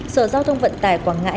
sở giao thông vận tải quảng ngãi